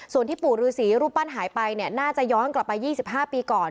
ส่วนที่ปู่ฤษีรูปปั้นหายไปเนี่ยน่าจะย้อนกลับไป๒๕ปีก่อน